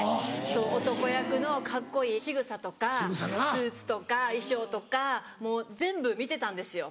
男役のカッコいいしぐさとかスーツとか衣装とかもう全部見てたんですよ。